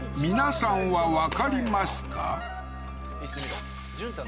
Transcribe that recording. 皆さんはわかりますか？